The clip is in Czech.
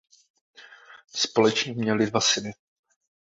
Společně měli dva syny.